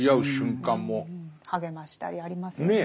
励ましたりありますよね。